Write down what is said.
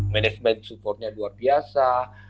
management supportnya luar biasa